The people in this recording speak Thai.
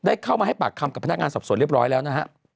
เข้ามาให้ปากคำกับพนักงานสอบสวนเรียบร้อยแล้วนะฮะ